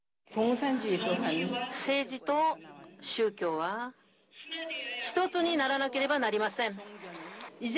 政治と宗教は、一つにならなければなりません。